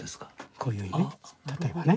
こういうふうにね例えばね。